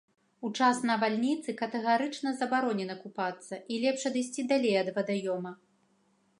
У час навальніцы катэгарычна забаронена купацца і лепш адысці далей ад вадаёма.